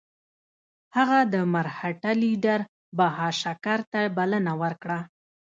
هغه د مرهټه لیډر بهاشکر ته بلنه ورکړه.